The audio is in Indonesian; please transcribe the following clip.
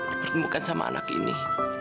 dipertemukan sama anak ini